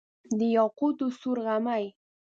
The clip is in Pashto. د یاقوتو سور غمی،